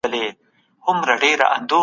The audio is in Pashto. تاسو به د نورو د نظرونو درناوی کوئ.